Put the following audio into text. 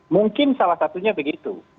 mungkin salah satunya begitu